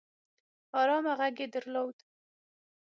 ارامه غږ يې درلود